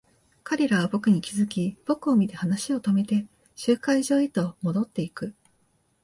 彼らは僕に気づき、僕を見て話を止めて、集会所へと戻っていく。